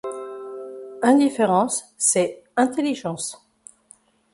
Indifférence, c’est intelligence.